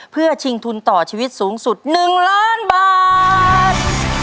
เพื่อชิงทุนต่อชีวิตสูงสุด๑ล้านบาท